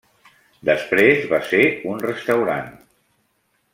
Després va ser un restaurant.